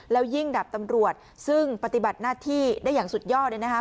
แล้วยิ่งดับตำรวจซึ่งปฏิบัติหน้าที่ได้อย่างสุดยอดเนี่ยนะคะ